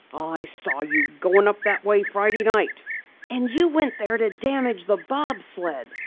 "I saw you goin' up that way Friday night." "And you went there to damage the bob sled!"